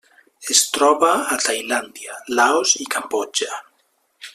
Es troba a Tailàndia, Laos i Cambodja.